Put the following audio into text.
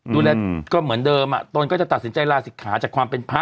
ดูแลก็เหมือนเดิมตนก็จะตัดสินใจลาศิกขาจากความเป็นพระ